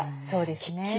そうですね。